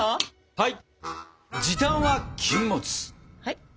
はい。